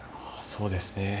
そうですね。